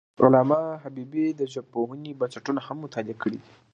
علامه حبیبي د ژبپوهنې بنسټونه هم مطالعه کړي دي.